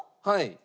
はい。